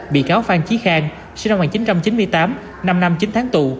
bị cáo phan trí khang sinh năm một nghìn chín trăm chín mươi tám năm năm chín tháng tù